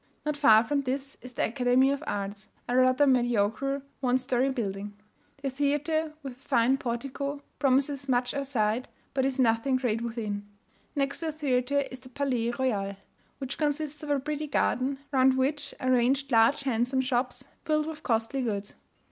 Not far from this is the Academy of Arts, a rather mediocre one story building. The Theatre, with a fine portico, promises much outside, but is nothing great within. Next to the theatre is the Palais Royal, which consists of a pretty garden, round which are ranged large handsome shops, filled with costly goods.